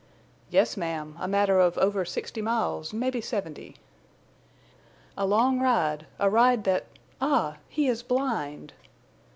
] "Yes, ma'am, a matter of over sixty miles, mebbe seventy." "A long ride—a ride that—Ah, he is blind!"